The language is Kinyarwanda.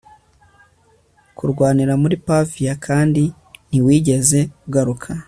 Kurwanira muri Pavia kandi ntiwigeze ugaruka